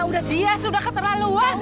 dia sudah keterlaluan